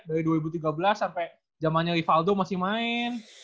dari dua ribu tiga belas sampai jamannya rivaldo masih main